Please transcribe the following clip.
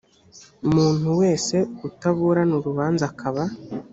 muntu wese utaburana urubanza akaba